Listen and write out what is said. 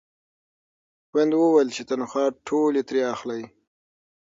خویندو ویل چې تنخوا ټولې ترې اخلئ.